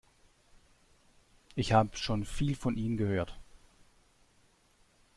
Ich habe schon viel von Ihnen gehört.